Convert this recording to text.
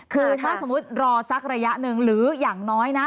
คือถ้าสมมุติรอสักระยะหนึ่งหรืออย่างน้อยนะ